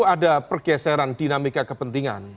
ada pergeseran dinamika kepentingan